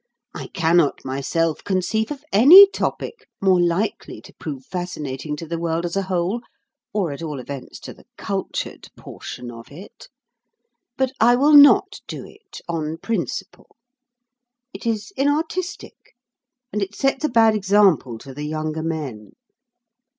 I cannot myself conceive of any topic more likely to prove fascinating to the world as a whole, or at all events to the cultured portion of it. But I will not do it, on principle. It is inartistic, and it sets a bad example to the younger men.